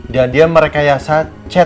dan dia merekayasa chat nino ke pa